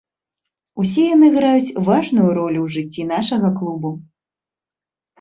Усе яны граюць важную ролю ў жыцці нашага клуба.